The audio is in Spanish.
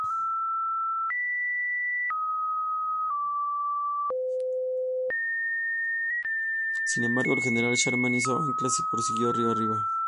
Sin embargo el "General Sherman" izó anclas y prosiguió río arriba.